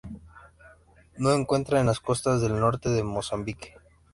Se encuentra en las costas del norte de Mozambique.